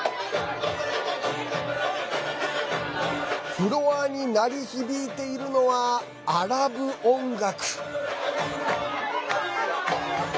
フロアに鳴り響いているのはアラブ音楽。